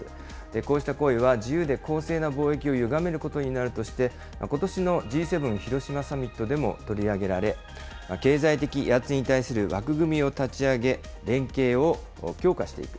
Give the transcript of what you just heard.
こうした行為は、自由で公正な貿易をゆがめることになるとして、ことしのＧ７広島サミットでも取り上げられ、経済的威圧に対する枠組みを立ち上げ、連携を強化していく。